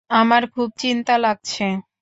আমার খুব চিন্তা লাগছে!